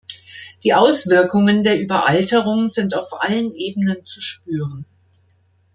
Die Auswirkungen der Überalterung sind auf allen Ebenen zu spüren.